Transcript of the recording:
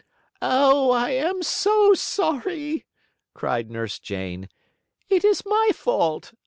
"Oh, I am so sorry!" cried Nurse Jane. "It is my fault.